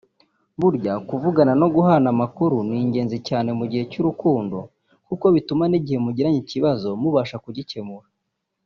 Burya kuvugana no guhana amakuru ni ingenzi cyane mu rukundo kuko bituma n’igihe mugiranye ikibazo mubasha kugikemura